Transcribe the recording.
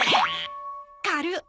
軽っ。